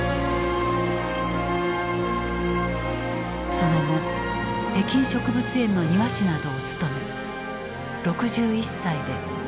その後北京植物園の庭師などを務め６１歳でこの世を去った。